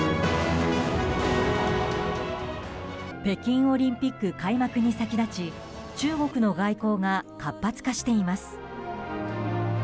北京オリンピック開幕に先立ち中国の外交が活発化しています。